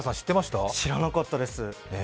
知らなかったです。